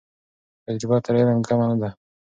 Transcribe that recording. تجربه تر علم کمه نه ده.